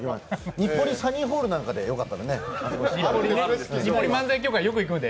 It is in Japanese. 日暮里サニーホールなんかよかったらね。